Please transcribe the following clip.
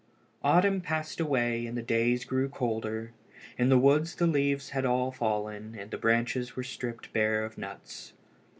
Autumn passed away, and the days grew colder. In the woods the leaves were all fallen and the branches were stripped bare of nuts.